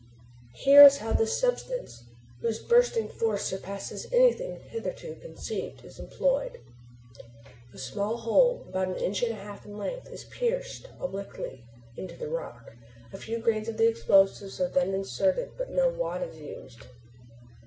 Here is how this substance, whose bursting force surpasses anything hitherto conceived, is employed. A small hole about an inch and a half in length is pierced obliquely in the rock. A few grains of the explosive are then inserted, but no wad is used.